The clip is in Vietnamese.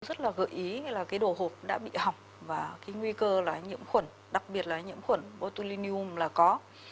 rất là gợi ý là cái đồ hộp đã bị hỏng và cái nguy cơ là nhiễm khuẩn đặc biệt là nhiễm khuẩn botum là có